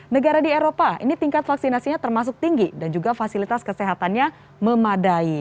negara di eropa ini tingkat vaksinasinya termasuk tinggi dan juga fasilitas kesehatannya memadai